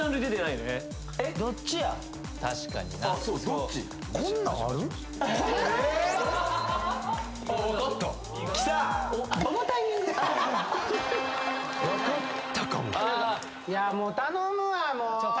いやもう頼むわもう！